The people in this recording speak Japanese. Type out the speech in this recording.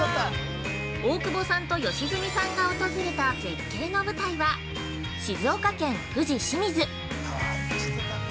大久保さんと吉住さんが訪れた絶景の舞台は、静岡県富士・清水。